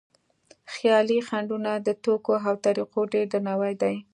خیالي خنډونه د توکو او طریقو ډېر درناوی دی.